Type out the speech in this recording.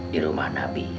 di rumah nabi